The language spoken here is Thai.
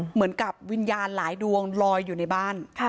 เหมือนกับวิญญาณหลายดวงลอยอยู่ในบ้าน